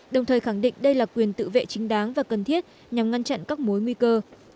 đồng thời khẳng định đây là quyền tự vệ chính đáng và cần thiết nhằm ngăn chặn các mối nguy cơ